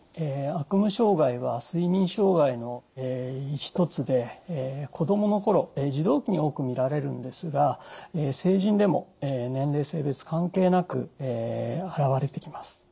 悪夢障害は睡眠障害の１つで子供の頃児童期に多く見られるんですが成人でも年齢性別関係なく現れてきます。